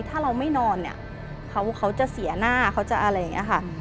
ถ้าเราไม่นอนเนี่ยเขาจะเสียหน้าเขาจะอะไรอย่างนี้ค่ะ